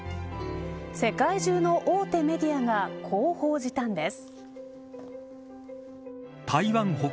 世界中の大手メディアがこう報じたんです。